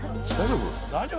大丈夫？